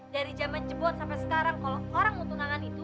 dari zaman jebot sampe sekarang kalo orang mau tunangan itu